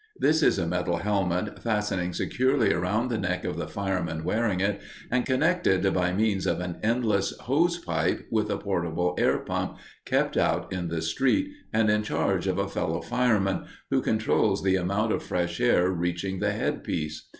This is a metal helmet fastening securely around the neck of the fireman wearing it, and connected by means of an endless hose pipe, with a portable air pump kept out in the street and in charge of a fellow fireman, who controls the amount of fresh air reaching the head piece.